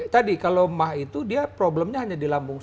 tadi kalau mah itu dia problemnya hanya di lambung saja